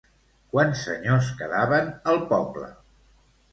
Quants senyors quedaven al poble?